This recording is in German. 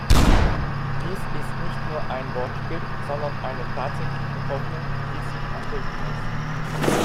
Dies ist nicht nur ein Wortspiel, sondern eine tatsächliche Hoffnung, die sich erfüllen muss.